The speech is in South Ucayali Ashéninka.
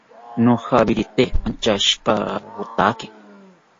Nojawirite anchaishipawotake